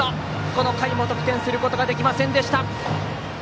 この回も得点することができませんでした。